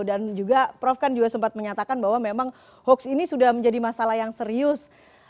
dan juga prof kan juga sempat menyatakan bahwa memang hoax ini sudah menjadi masalah yang serius